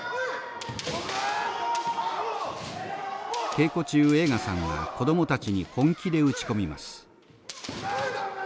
稽古中栄花さんは子供たちに本気で打ち込みます。